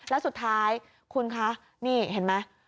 แล้วสุดท้ายคุณคะนี่เห็นไหม